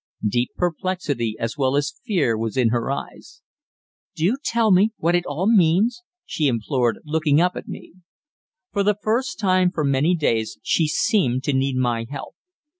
Deep perplexity as well as fear was in her eyes. "Do tell me what it all means," she implored, looking up at me; for the first time for many days she seemed to need my help.